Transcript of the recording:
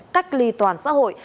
cách ly toàn xã hội